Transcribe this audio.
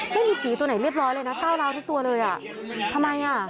ไม่มีผีตัวไหนเรียบร้อยเลยนะก้าวร้าวทุกตัวเลยอ่ะทำไมอ่ะ